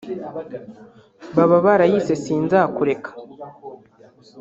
bababa barayise Sinzakureka